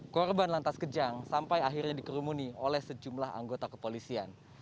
korban lantas kejang sampai akhirnya dikerumuni oleh sejumlah anggota kepolisian